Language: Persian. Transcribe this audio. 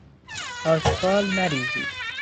آشغال نریزید!